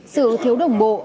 sự thiếu đồng bộ